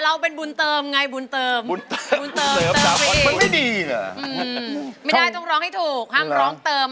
เราเนี่ยเป็นบุญเติม